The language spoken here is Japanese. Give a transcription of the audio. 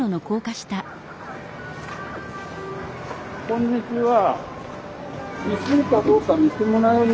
こんにちは。